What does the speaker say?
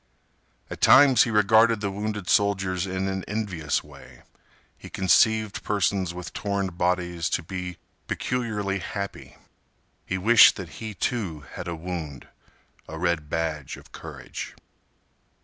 At times he regarded the wounded soldiers in an envious way. He conceived persons with torn bodies to be peculiarly happy. He wished that he, too, had a wound, a red badge of courage.